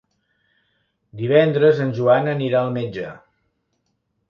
Divendres en Joan anirà al metge.